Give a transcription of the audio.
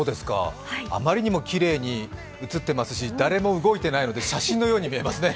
あまりにもきれいに映っていますし誰も動いてないので、写真のように見えますね。